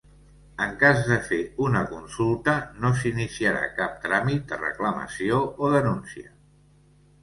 En cas de fer una consulta, no s'iniciarà cap tràmit de reclamació o denúncia.